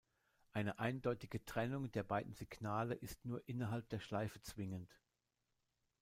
Eine eindeutige Trennung der beiden Signale ist nur innerhalb der Schleife zwingend.